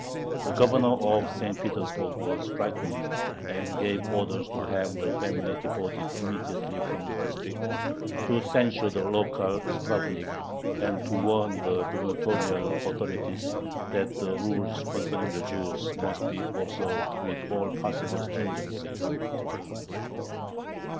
The Governor of St. Petersburg was frightened, and gave orders to have the family deported immediately from the district, to censure the local ispravnik and to warn the gubernatorial authorities, "that the rules concerning the Jews must be observed with all possible stringency."